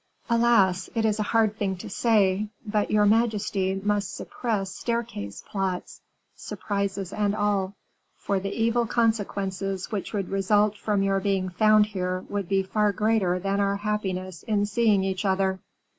"Alas! it is a hard thing to say but your majesty must suppress staircase plots, surprises and all; for the evil consequences which would result from your being found here would be far greater than our happiness in seeing each other."